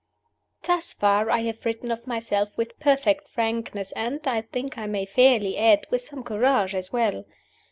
THUS far I have written of myself with perfect frankness, and, I think I may fairly add, with some courage as well.